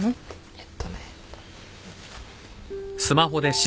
えっとね。